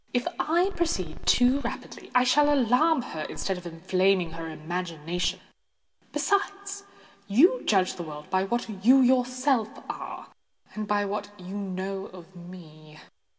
"If I proceed too rapidly, I shall alarm her, instead of inflaming her imagination. Besides, you judge the world by what you yourself are, and by what you know of me.